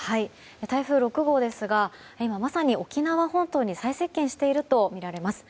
台風６号ですが今、まさに沖縄本島に最接近しているとみられます。